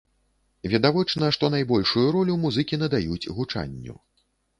Відавочна, што найбольшую ролю музыкі надаюць гучанню.